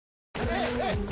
はい！